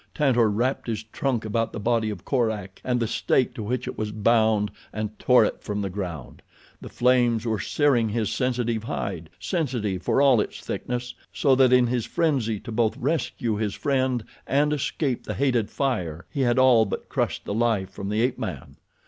Tantor wrapped his trunk about the body of Korak and the stake to which it was bound, and tore it from the ground. The flames were searing his sensitive hide—sensitive for all its thickness—so that in his frenzy to both rescue his friend and escape the hated fire he had all but crushed the life from the ape man.